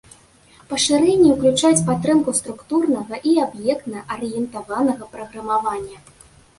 Пашырэнні ўключаюць падтрымку структурнага і аб'ектна-арыентаванага праграмавання.